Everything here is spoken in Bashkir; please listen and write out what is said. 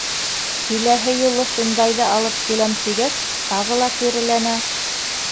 Киләһе юлы шундайҙы алып киләм тигәс, тағы ла киреләнә.